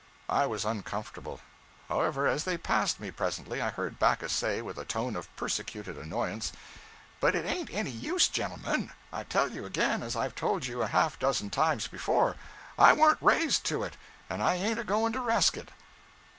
I was uncomfortable. However, as they passed me presently, I heard Backus say, with a tone of persecuted annoyance 'But it ain't any use, gentlemen; I tell you again, as I've told you a half a dozen times before, I warn't raised to it, and I ain't a going to resk it.'